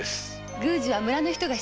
宮司は村の人が。